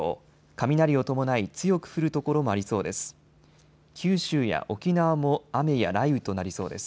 雷を伴い強く降る所もありそうです。